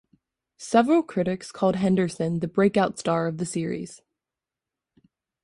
Several critics called Henderson the "breakout star" of the series.